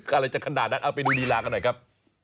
อะไรจะขนาดนั้นเอาไปดูลีลากันหน่อยครับ